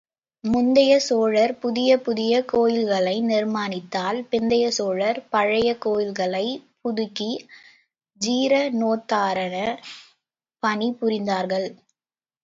முந்திய சோழர் புதிய புதிய கோயில்களை நிர்மாணித்தால், பிந்திய சோழர் பழைய கோயில்களைப் புதுக்கி ஜீரணோத்தாரணப் பணி புரிந்தார்கள்.